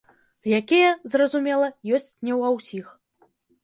Якія, зразумела, ёсць не ва ўсіх.